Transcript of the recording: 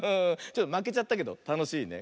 まけちゃったけどたのしいね。